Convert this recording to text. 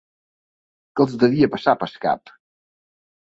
Què els devia passar pel cap?